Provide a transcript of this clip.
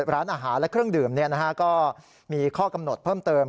ร้านอาหารและเครื่องดื่มก็มีข้อกำหนดเพิ่มเติม